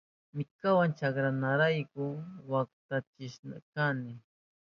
Minkawa chakraynirayku waktachishkani.